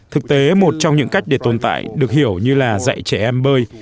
thực tế một trong những cách để tồn tại được hiểu như là dạy trẻ em bơi